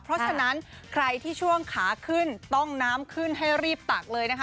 เพราะฉะนั้นใครที่ช่วงขาขึ้นต้องน้ำขึ้นให้รีบตักเลยนะคะ